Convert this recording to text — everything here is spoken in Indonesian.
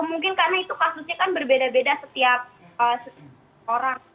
mungkin karena itu kasusnya kan berbeda beda setiap orang